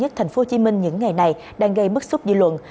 tình trạng ung tác sở nhất tp hcm những ngày này đang gây bất xúc dư luận